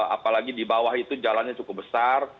apalagi di bawah itu jalannya cukup besar